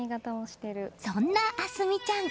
そんな明澄ちゃん